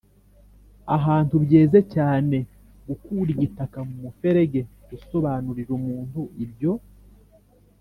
ahantu byeze cyane; gukura igitaka mu muferege; gusobanurira umuntu ibyo